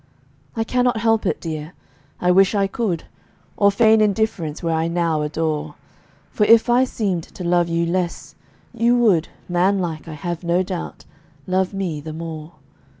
I cannot help it, dear, I wish I could, Or feign indifference where I now adore; For if I seemed to love you less you would, Manlike, I have no doubt, love me the more.